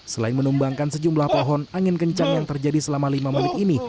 selain menumbangkan sejumlah pohon angin kencang yang terjadi selama lima menit ini